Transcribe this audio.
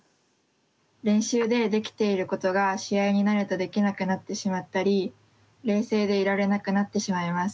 練習でできていることが試合になるとできなくなってしまったり冷静でいられなくなってしまいます。